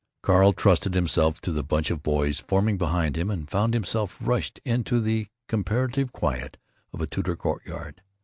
Carl trusted himself to the bunch of boys forming behind him, and found himself rushed into the comparative quiet of a Tudor courtyard.